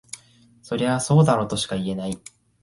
そりゃそうだろとしか言えない